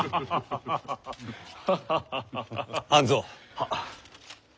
はっ。